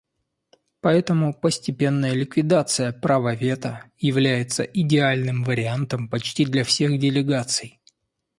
Поэтому постепенная ликвидация права вето является идеальным вариантом почти для всех делегаций.